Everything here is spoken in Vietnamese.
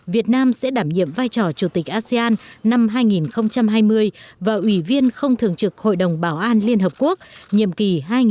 việt nam sẽ đảm nhiệm vai trò chủ tịch asean năm hai nghìn hai mươi và ủy viên không thường trực hội đồng bảo an liên hợp quốc nhiệm kỳ hai nghìn hai mươi hai nghìn hai mươi một